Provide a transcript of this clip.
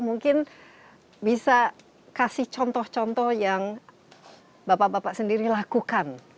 mungkin bisa kasih contoh contoh yang bapak bapak sendiri lakukan